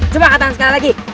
cuma katakan sekali lagi